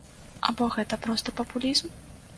Або гэта проста папулізм?